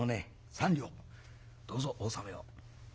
３両どうぞお納めを。